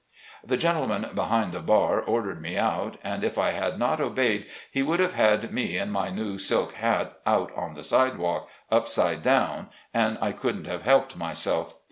The gentleman behind the bar ordered me out, and if I had not obeyed he would have had me and my new silk hat out on the sidewalk, upside down, and I couldn't have helped myself.